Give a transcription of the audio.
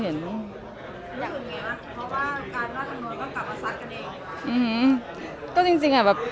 อเรนนี่มีหลังไม้ไม่มี